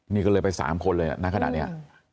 นี่ก็เลยไป๓คนเลยนะขนาดนี้